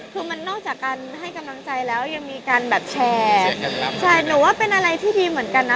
คือมันนอกจากการให้กำลังใจแล้วยังมีการแบบแชร์ใช่หนูว่าเป็นอะไรที่ดีเหมือนกันนะ